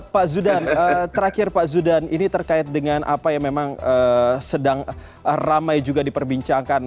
pak zudan terakhir pak zudan ini terkait dengan apa yang memang sedang ramai juga diperbincangkan